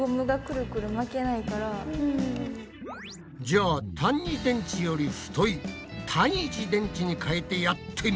じゃあ単２電池より太い単１電池にかえてやってみますか。